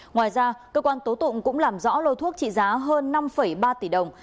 ngoài ra cơ quan tố tụng cũng làm rõ lô thuốc trị giá hơn năm ba tỷ đồng